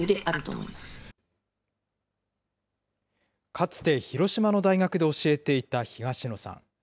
かつて広島の大学で教えていた東野さん。